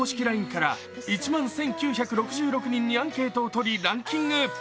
ＬＩＮＥから１万１９６６人にアンケートをとりランキング。